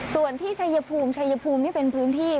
ส่วนที่ชัยภูมิชัยภูมินี่เป็นพื้นที่